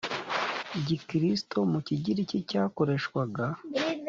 gikristo mu kigiriki cyakoreshwaga